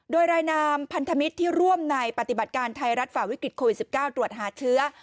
โดยรายนามพันธมิตรที่ร่วมในปฏิบัติการไทยรัฐฝ่าวิกฤตโควิด๑๙ตรวจหาเชื้อ